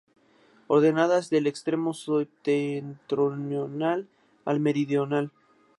Ordenadas del extremo septentrional al meridional.